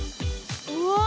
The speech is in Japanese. うわ！